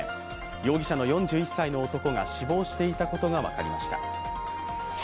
容疑者の４１歳の男性が死亡していたことが分かりました。